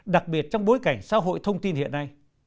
đặc biệt trong bối cảnh xã hội thông tin hiện nay